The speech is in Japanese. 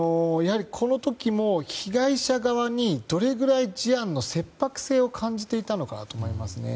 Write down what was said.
この時も被害者側にどれぐらい事案の切迫性を感じていたのかと思いますね。